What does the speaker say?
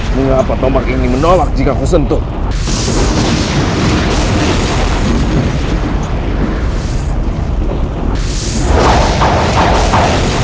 mengapa tombak ini menolak jika aku sentuh